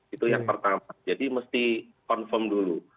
itu yang pertama jadi mesti confirm dulu